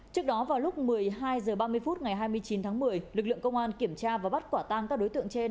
trước đó vào lúc một mươi hai h ba mươi phút ngày hai mươi chín tháng một mươi lực lượng công an kiểm tra và bắt quả tang các đối tượng trên